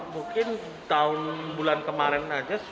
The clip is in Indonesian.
mungkin tahun bulan kemarin